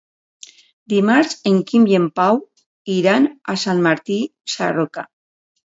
Dimarts en Quim i en Pau iran a Sant Martí Sarroca.